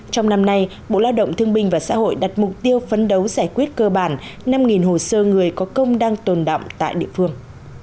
trong năm nay bộ lao động thương binh và xã hội đặt mục tiêu phấn đấu giải quyết cơ bản năm hồ sơ người có công đang tồn đọng tại địa phương